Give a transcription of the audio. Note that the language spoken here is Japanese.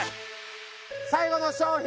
最後の商品